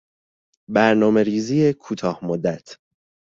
برنامهریزی کوتاه مدت